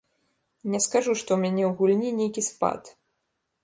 Не скажу, што ў мяне ў гульні нейкі спад.